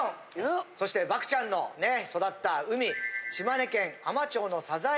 そして漠ちゃんの育った海島根県海士町の。